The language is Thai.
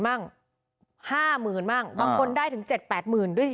๕๐๐๐๐บ้างบางคนได้ถึง๗๐๐๐๐๘๐๐๐๐ด้วยซ้ำ